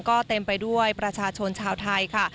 ก็เต็มไปด้วยประชาชนชาวไทยค่ะ